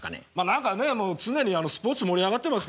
何かね常にスポーツ盛り上がってますけどね。